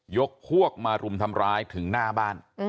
ยกพวกมารุมทำร้ายถึงหน้าบ้าน